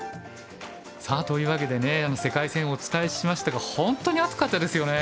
さあというわけでね世界戦お伝えしましたが本当に熱かったですよね。